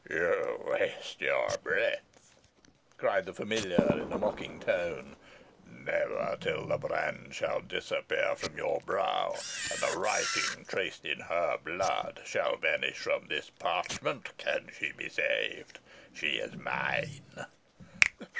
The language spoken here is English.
"You waste your breath," cried the familiar, in a mocking tone. "Never till the brand shall disappear from her brow, and the writing, traced in her blood, shall vanish from this parchment, can she be saved. She is mine."